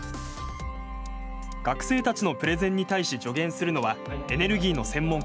学生たちのプレゼンに対し助言するのはエネルギーの専門家